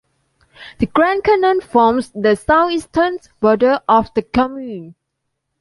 The "Grand Canal" forms the south-eastern border of the commune.